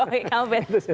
oke kamu bet